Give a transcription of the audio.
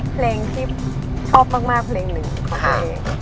เพลงที่ชอบมากเพลงหนึ่งของตัวเอง